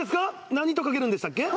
何とかけるんでしたっけ？